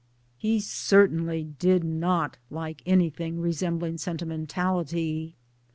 He certainly did not like anything resembling sentimentality.